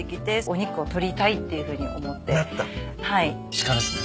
鹿ですね。